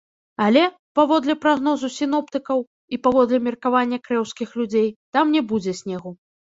Але, паводле прагнозу сіноптыкаў і паводле меркавання крэўскіх людзей, там не будзе снегу.